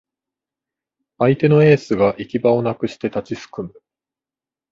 相手のエースが行き場をなくして立ちすくむ